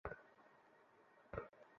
Simba এই অবস্থায় লড়তে পারবে না।